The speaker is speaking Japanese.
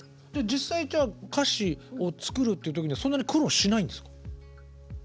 実際じゃあ歌詞を作るっていう時にはそんなに苦労しないんですか？